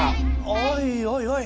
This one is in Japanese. おいおいおい。